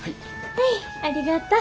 はいありがとう。